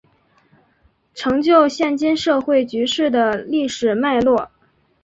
成就现今社会局势的历史脉络